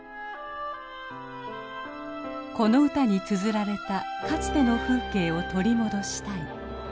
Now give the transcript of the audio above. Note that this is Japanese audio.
この歌につづられたかつての風景を取り戻したい。